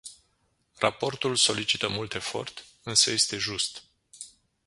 Raportul solicită mult efort, însă este just.